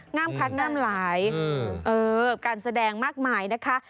่ำคัดงามหลายการแสดงมากมายนะคะ